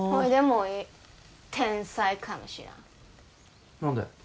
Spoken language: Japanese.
おい天才かもしらん何で？